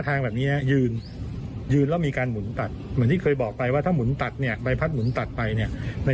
แต่มีประตูทั่วนี้ได้ค่ะ